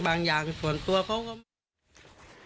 บางอย่างส่วนตัวเขาก็ไม่รู้